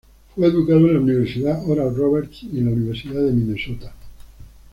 Fue educado en la Universidad Oral Roberts y en la Universidad de Minnesota.